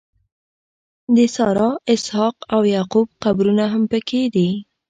د سارا، اسحاق او یعقوب قبرونه هم په کې دي.